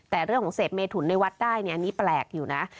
แต่เรื่องของเสพเมถุนในวัดได้เนี่ยอันนี้แปลกอยู่นะ